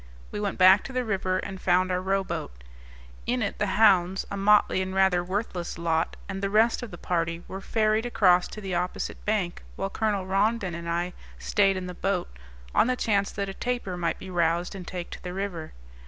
We went back to the river, and found our rowboat. In it the hounds a motley and rather worthless lot and the rest of the party were ferried across to the opposite bank, while Colonel Rondon and I stayed in the boat, on the chance that a tapir might be roused and take to the river.